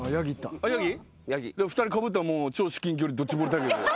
２人かぶったらもう超至近距離ドッジボール対決。